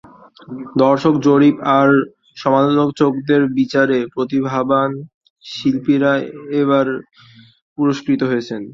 দর্শক জরিপ আর সমালোচকদের বিচারে প্রতিভাবান শিল্পীরা এবার পুরস্কৃত হয়েছেন।